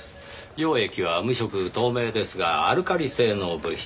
溶液は無色透明ですがアルカリ性の物質